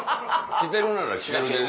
来てるなら来てるでね。